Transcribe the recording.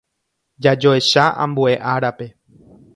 Jajoecha ambue árape.